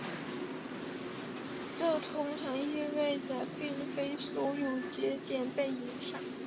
这通常意味着并非所有的节点被影响。